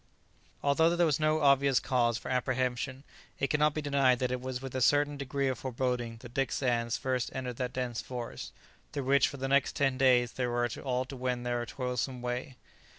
Although there was no obvious cause for apprehension, it cannot be denied that it was with a certain degree of foreboding that Dick Sands first entered that dense forest, through which for the next ten days they were all to wend their toilsome way.